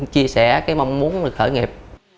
chia sẻ cái mong muốn được khởi nghiệp